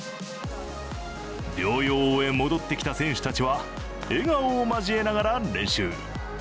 療養を終え、戻ってきた選手たちは笑顔を交えながら練習。